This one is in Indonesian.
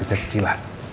kita syukuran kecil kecilan